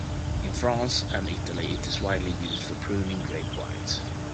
In France and Italy it is widely used for pruning grape vines.